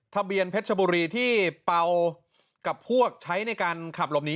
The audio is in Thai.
ทะเบียนเพชรชบุรีที่เป่ากับพวกใช้ในการขับหลบหนี